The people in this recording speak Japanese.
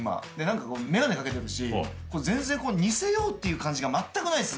何か眼鏡掛けてるし全然似せようっていう感じがまったくないですね。